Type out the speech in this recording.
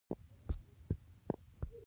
ایا زه باید پاچا شم؟